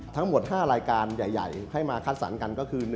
ทั้งหมด๕รายการใหญ่ให้มาคัดสรรกันก็คือ